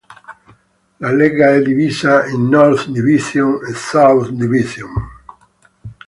La lega è divisa in North Division e South Division.